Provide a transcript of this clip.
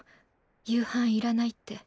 夕飯いらないって。